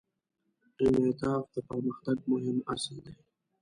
انعطاف د پرمختګ مهم اصل دی.